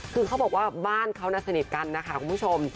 คือเขาบอกว่าบ้านเขาน่ะสนิทกันนะคะคุณผู้ชม